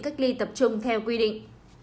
cách ly tập trung theo quy định